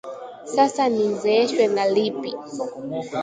Sasa nizeeshwe na lipi